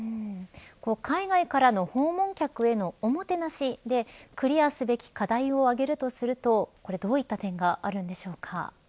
海外からの訪問客へのおもてなしでクリアすべき課題を挙げるとするとどういった点があるんでしょうか。